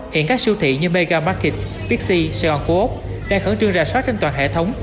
hiện các siêu thị như mega market pixi sài gòn cô úc đang khẩn trương ra soát trên toàn hệ thống